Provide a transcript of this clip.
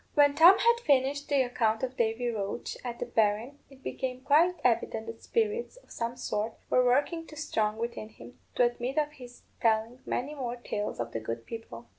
When Tom had finished the account of Davy Roche and the berrin, it became quite evident that spirits, of some sort, were working too strong within him to admit of his telling many more tales of the good people.